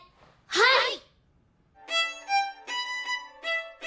はい！